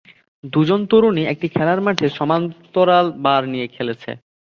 দুজন তরুণী একটি খেলার মাঠে সমান্তরাল বার নিয়ে খেলছে।